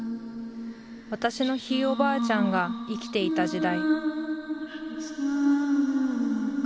私のひいおばあちゃんが生きていた時代